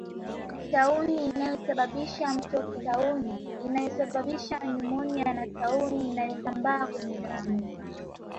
Tauni inayosababisha mtoki tauni inayosababisha nyumonia na tauni inayosambaa kwenye damu